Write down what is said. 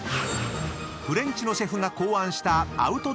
［フレンチのシェフが考案したアウトドアメシ］